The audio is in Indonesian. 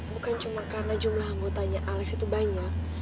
bukan cuma karena jumlah anggotanya alex itu banyak